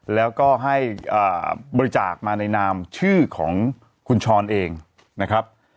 แล้วก็ให้บริจาคมาในนามชื่อของคุณชรเองนะครับ